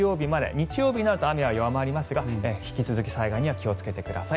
日曜日のあとは雨は弱まりますが引き続き災害には気をつけてください。